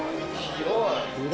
広い。